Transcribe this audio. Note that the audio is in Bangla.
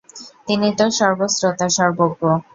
তিনি তো সর্বশ্রোতা, সর্বজ্ঞ।